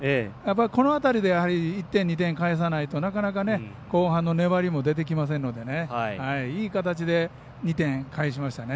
この辺りでやっぱり１点、２点返さないとなかなか、後半の粘りも出てきませんのでいい形で２点返しましたね。